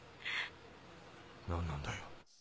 何なんだよ？